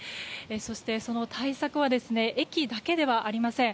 そして、その対策は駅だけではありません。